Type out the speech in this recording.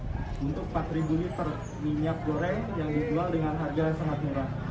untuk empat liter minyak goreng yang dijual dengan harga yang sangat murah